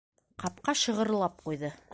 Ҡапҡа шығырлап ҡуйҙы.